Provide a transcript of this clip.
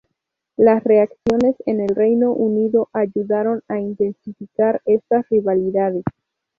Las reacciones en el Reino Unido ayudaron a intensificar estas rivalidades.